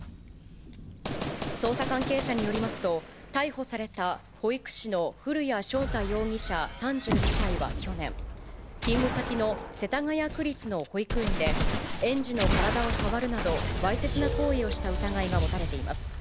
捜査関係者によりますと、逮捕された保育士の古谷翔太容疑者３２歳は去年、勤務先の世田谷区立の保育園で園児の体を触るなど、わいせつな行為をした疑いが持たれています。